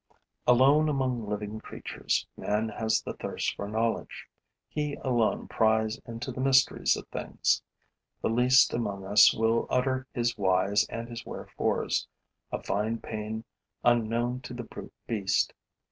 Alone among living creatures, man has the thirst for knowledge; he alone pries into the mysteries of things. The least among us will utter his whys and his wherefores, a fine pain unknown to the brute beast.